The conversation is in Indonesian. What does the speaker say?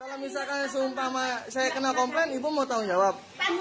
kalau misalkan seumpama saya kena komplain ibu mau tahu jawab